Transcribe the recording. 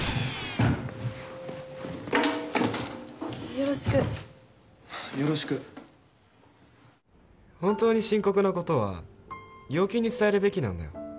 よろしくよろしく本当に深刻なことは陽気に伝えるべきなんだよ